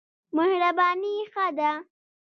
مهرباني ښه ده.